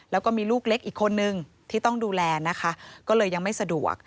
แล้วก็มีลูกเล็กอีกคนนึงที่ต้องดูแลนะคะก็เลยยังไม่สะดวก